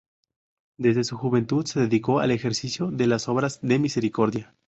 Desde su juventud se dedicó al ejercicio de las obras de misericordia.